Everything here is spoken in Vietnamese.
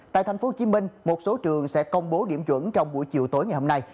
tại tp hcm một số trường sẽ công bố điểm chuẩn trong buổi chiều tối ngày hôm nay